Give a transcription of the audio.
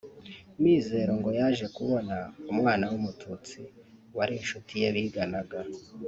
Mizero ngo yaje kubona umwana w’umututsi wari inshuti ye biganaga